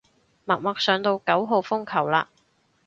默默上到九號風球嘞